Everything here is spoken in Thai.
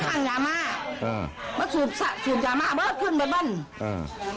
มันก็นั่งมามันก็มันอยู่นี่นี่